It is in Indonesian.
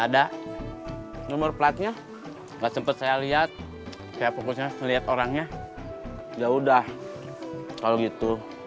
ada nomor platnya nggak sempet saya lihat saya fokusnya lihat orangnya ya udah kalau gitu